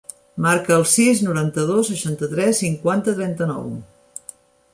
Marca el sis, noranta-dos, seixanta-tres, cinquanta, trenta-nou.